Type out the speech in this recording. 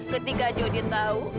ketika jody tahu